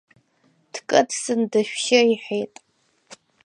Дкыдҵан дышәшьы, — иҳәеит.